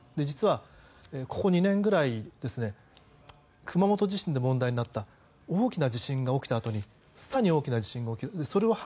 実はここ２年ぐらい熊本地震で問題になった大きな地震が起きたあとに更に大きな地震が起きる。